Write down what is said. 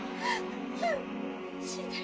死んでる。